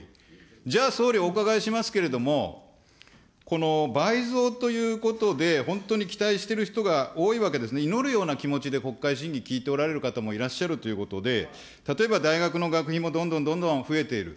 じゃあ総理、お伺いしますけれども、倍増ということで、本当に期待している人が多いわけですね、祈るような気持ちで国会審議聞いておられる方もいらっしゃるということで、例えば大学の学費もどんどんどんどん増えている。